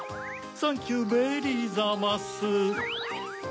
サンキューベリーザマス！